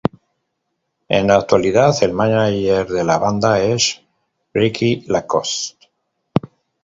En la actualidad, el mánager de la banda es Ricky Lacoste.